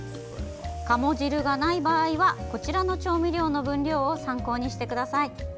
鴨汁がない場合はこちらの調味料の分量を参考にしてください。